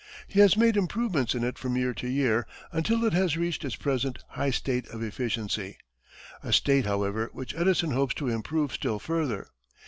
He has made improvements in it from year to year, until it has reached its present high state of efficiency a state, however, which Edison hopes to improve still further.